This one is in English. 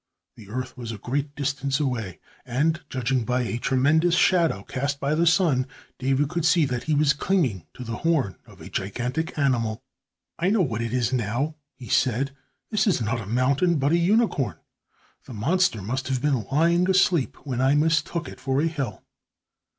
The earth was a great distance away, and, judging by a tremendous shadow cast by the sun, David could see that he was clinging to the horn of a gigantic animal. "I know what it is now," he said. "This is not a mountain, but a unicorn. The monster must have been lying asleep when I mistook it for a hill."